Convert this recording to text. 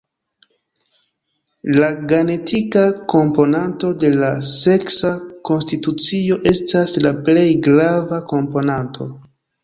La genetika komponanto de la seksa konstitucio estas la plej grava komponanto.